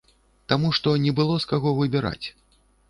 Таму што не было, з каго выбіраць.